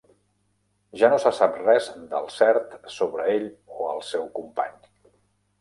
Ja no se sap res del cert sobre ell o el seu company.